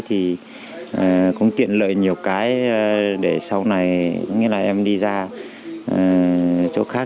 thì cũng tiện lợi nhiều cái để sau này em đi ra chỗ khác